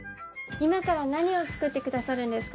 今から何を作ってくださるんですか？